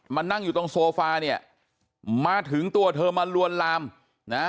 นั่งอยู่ตรงโซฟาเนี่ยมาถึงตัวเธอมาลวนลามนะ